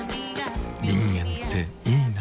人間っていいナ。